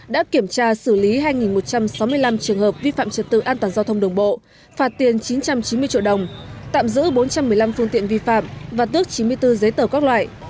đã kiểm tra xử lý hai một trăm sáu mươi năm trường hợp vi phạm trật tự an toàn giao thông đường bộ phạt tiền chín trăm chín mươi triệu đồng tạm giữ bốn trăm một mươi năm phương tiện vi phạm và tước chín mươi bốn giấy tờ các loại